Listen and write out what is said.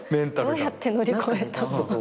どうやって乗り越えたの？